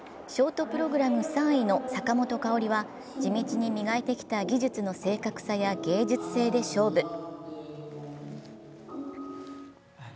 ショートプログラム３位の坂本花織は地道に磨いてきた技術の正確さや芸術性で勝負。